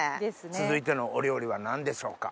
続いてのお料理は何でしょうか？